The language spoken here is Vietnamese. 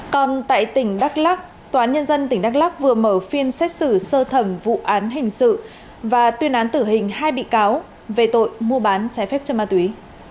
còn tại tỉnh đắk lắc tòa án nhân dân tỉnh đắk lắc vừa mở phiên xét xử sơ thẩm vụ án hình sự và tuyên án tử hình hai bị cáo về tội mua bán trái phép chất ma túy